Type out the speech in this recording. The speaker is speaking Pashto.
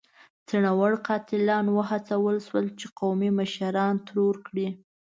څڼيور قاتلان وهڅول شول چې قومي مشران ترور کړي.